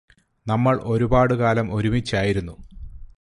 നമ്മൾ ഒരുപാട് കാലം ഒരുമിച്ചായിരുന്നു